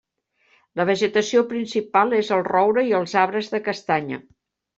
La vegetació principal és el roure i els arbres de castanya.